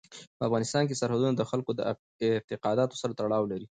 په افغانستان کې سرحدونه د خلکو د اعتقاداتو سره تړاو لري.